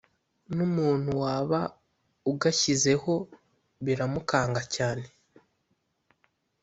numuntu waba ugashyizeho biramukanga cyane,